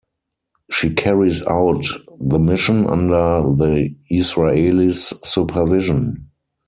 She carries out the mission under the Israelis' supervision.